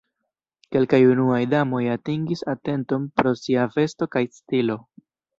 Kelkaj unuaj damoj atingis atenton pro sia vesto kaj stilo.